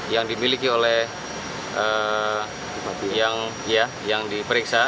yang dimiliki oleh yang diperiksa